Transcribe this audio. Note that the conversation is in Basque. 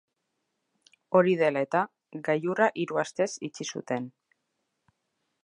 Hori dela eta, gailurra hiru astez itxi zuten.